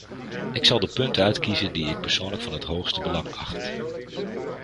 Ik zal de punten uitkiezen die ik persoonlijk van het hoogste belang acht.